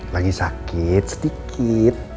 lagi sakit sedikit